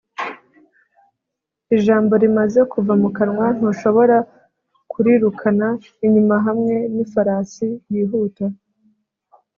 ijambo rimaze kuva mu kanwa, ntushobora kurirukana inyuma hamwe nifarasi yihuta